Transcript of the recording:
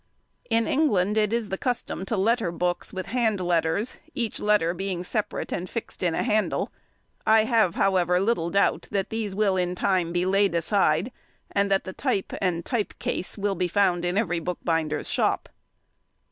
In England it is the custom to letter books with hand letters, each letter being separate and fixed in a handle. I have, however, little doubt that these will in time be laid aside, and that the type and type case will be found in every bookbinder's shop.